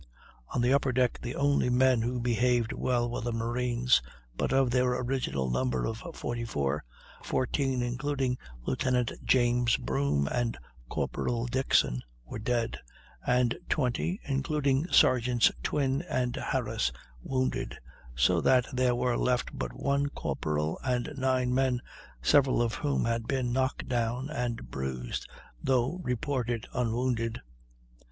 On the upper deck the only men who behaved well were the marines, but of their original number of 44 men, 14, including Lieutenant James Broom and Corporal Dixon, were dead, and 20, including Sergeants Twin and Harris, wounded, so that there were left but one corporal and nine men, several of whom had been knocked down and bruised, though reported unwounded.